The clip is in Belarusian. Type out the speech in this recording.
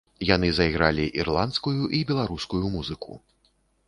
Яны зайгралі ірландскую і беларускую музыку.